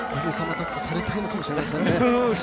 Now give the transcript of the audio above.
だっこをされたいのかもしれないですね。